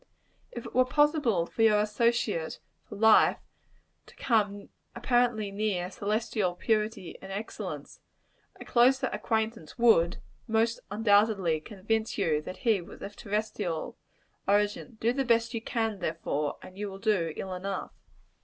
If it were possible for your associate for life to come apparently near celestial purity and excellence, a closer acquaintance would, most undoubtedly, convince you that he was of terrestrial origin. Do the best you can, therefore, and you will do ill enough.